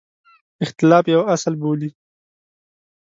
اختلاف یو اصل بولي.